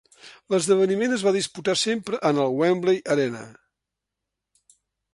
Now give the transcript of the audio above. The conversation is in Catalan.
L'esdeveniment es va disputar sempre en el Wembley Arena.